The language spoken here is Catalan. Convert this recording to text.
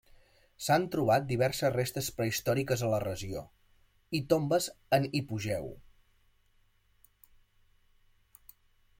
S'han trobat diverses restes prehistòriques a la regió, i tombes en hipogeu.